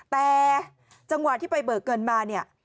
แต่จังหวะที่ไปเบิกเงินมาเนี่ย